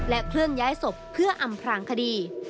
เคลื่อนย้ายศพเพื่ออำพลางคดี